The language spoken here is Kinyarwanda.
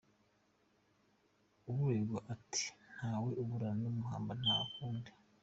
Uregwa ati “ Ntawe uburana n’umuhamba nta kundi”